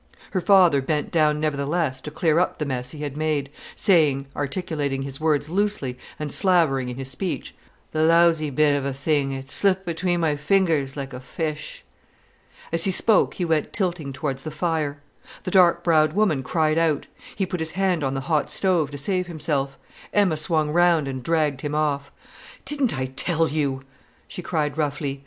Her father bent down nevertheless to clear up the mess he had made, saying, articulating his words loosely and slavering in his speech: "The lousy bit of a thing, it slipped between my fingers like a fish." As he spoke he went tilting towards the fire. The dark browed woman cried out: he put his hand on the hot stove to save himself; Emma swung round and dragged him off. "Didn't I tell you!" she cried roughly.